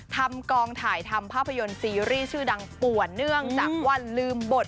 ทำกองถ่ายทำภาพยนตร์ซีรีส์ชื่อดังป่วนเนื่องจากว่าลืมบท